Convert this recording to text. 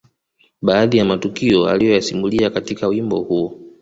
Baadhi ya matukio aliyoyasimulia katika wimbo huo